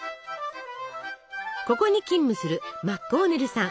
ここに勤務するマッコーネルさん。